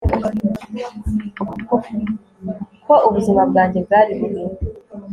ko ubuzima bwanjye bwari bubi